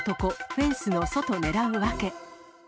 フェンスの外狙う訳。